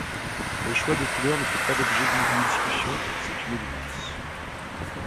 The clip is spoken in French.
Le choix des couleurs ne fait pas l'objet d'une grande discussion, c'est une évidence.